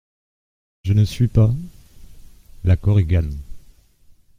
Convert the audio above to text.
Je ne suis pas …? LA KORIGANE.